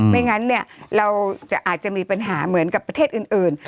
ไม่งั้นเราอาจจะมีปัญหาเหมือนกับประเทศอื่น